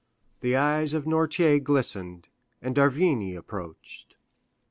The eyes of Noirtier glistened, and d'Avrigny approached.